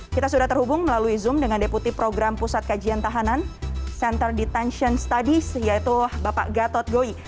kita sudah terhubung melalui zoom dengan deputi program pusat kajian tahanan center detention studies yaitu bapak gatot goi